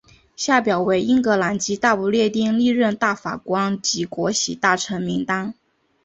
下表为英格兰及大不列颠历任大法官及国玺大臣名单。